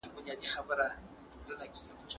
کېدای سي موبایل خراب وي!!